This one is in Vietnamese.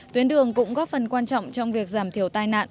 tuyến đường cũng góp phần quan trọng trong việc giảm thiểu tai nạn